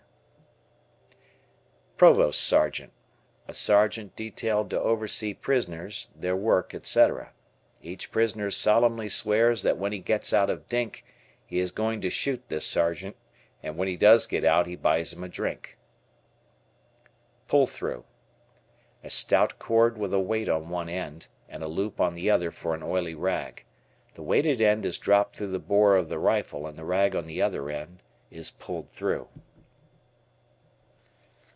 Provost Sergeant. A sergeant detailed to oversee prisoners, their work, etc. Each prisoner solemnly swears that when he gets out of "dink" he is going to shoot this sergeant and when he does get out he buys him a drink. Pull Through. A stout cord with a weight on one end, and a loop on the other for an oily rag. The weighted end is dropped through the bore of the rifle and the rag on the other end is "pulled through."